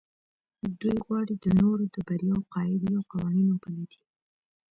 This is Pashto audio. دوی غواړي د نورو د برياوو قاعدې او قوانين وپلټي.